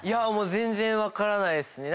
全然分からないですね。